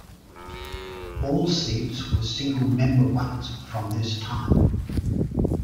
All seats were single member ones from this time.